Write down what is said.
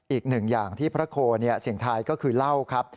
อีกหนึ่งอย่างที่พระโคเสี่ยงทายก็คือเหล้าครับ